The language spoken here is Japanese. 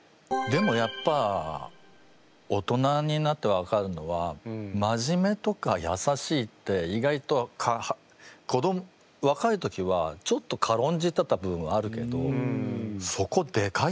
でもやっぱ大人になって分かるのは真面目とかやさしいって意外と子どもわかい時はちょっとかろんじてた部分あるけどそこでかいなって。